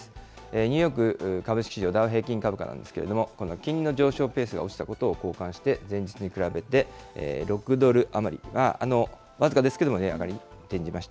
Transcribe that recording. ニューヨーク株式市場、ダウ平均株価なんですけれども、この金利の上昇ペースが落ちたことを好感して、前日に比べて６ドル余りが、僅かですけども値上がりに転じました。